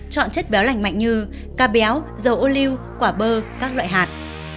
chọn chất béo lành mạnh như ca béo dầu ô lưu quả bơ các loại hạt